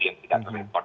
yang tidak terlengkar